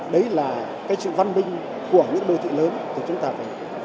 đấy là cái sự văn minh của những đô thị lớn thì chúng ta phải tập trung